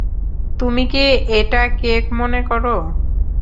তুমি কি এটা কেক মনে করো?